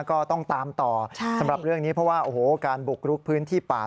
ก็ต้องตามต่อสำหรับเรื่องนี้เพราะว่าโอ้โหการบุกรุกพื้นที่ป่า